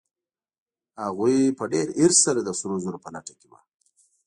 هغوی په ډېر حرص سره د سرو زرو په لټه کې وو.